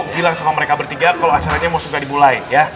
bilang sama mereka bertiga kalo acaranya mau suka dibulai ya